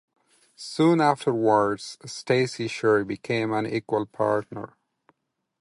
Soon afterwards, Stacey Sher became an equal partner.